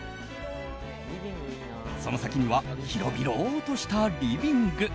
その先には広々としたリビング。